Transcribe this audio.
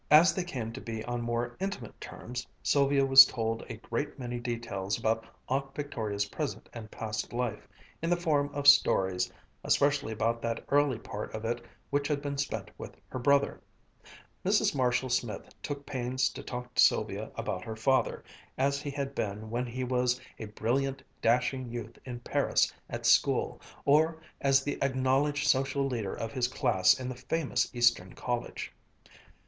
As they came to be on more intimate terms, Sylvia was told a great many details about Aunt Victoria's present and past life, in the form of stories, especially about that early part of it which had been spent with her brother. Mrs. Marshall Smith took pains to talk to Sylvia about her father as he had been when he was a brilliant dashing youth in Paris at school, or as the acknowledged social leader of his class in the famous Eastern college.